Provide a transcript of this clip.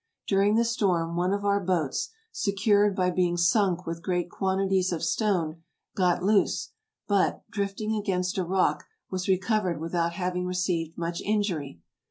During the storm one of our boats, secured by being sunk with great quanti ties of stone, got loose, but, drifting against a rock, was re covered without having received much injury.